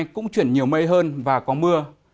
cũng chuyển nhiều mây hơn và có mưa